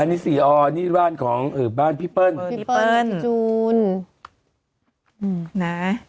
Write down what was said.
อันนี้สิอ่อนี่บ้านของเอ่อบ้านพี่เปี้ยน